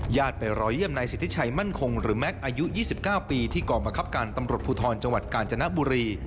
ญาติไปรอยเยี่ยมในสิทธิชัยมั่นคงหรือแม็กซ์อายุยี่สิบเก้าปีที่ก่อมประคับการตำรถภูทรจังหวัดกาลจนบุรี